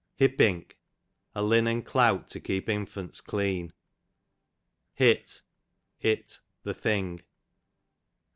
Hippink, a linen clout to keep infants clean. Hit, it, the thing.